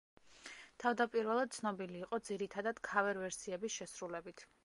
თავდაპირველად ცნობილი იყო ძირითადად ქავერ-ვერსიების შესრულებით.